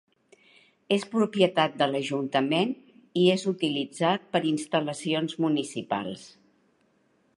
És propietat de l'Ajuntament i és utilitzat per instal·lacions municipals.